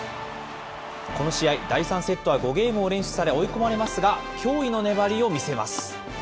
この試合、第３セットは５ゲームを連取され、追い込まれますが、脅威の粘りを見せます。